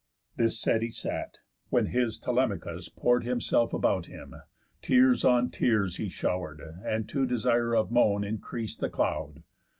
_ This said, he sat; when his Telemachus pour'd Himself about him; tears on tears he show'r'd, And to desire of moan increas'd the cloud.